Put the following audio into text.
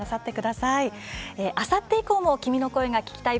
あさって以降も「君の声が聴きたい」